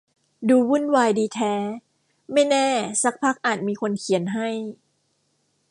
ดูวุ่นวายดีแท้ ไม่แน่ซักพักอาจมีคนเขียน ให้